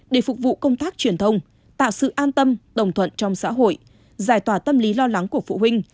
để phục vụ công tác truyền thông tạo sự an tâm đồng thuận trong xã hội giải tỏa tâm lý lo lắng của phụ huynh